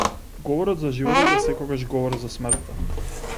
Говорот за животот е секогаш говор за смртта.